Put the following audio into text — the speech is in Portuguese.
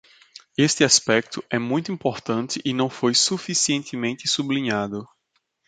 Este aspecto é muito importante e não foi suficientemente sublinhado.